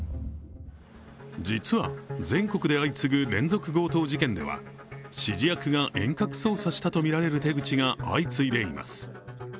実は全国で相次ぐ連続強盗事件では指示役が遠隔操作したとみられる手口が相次いでいます。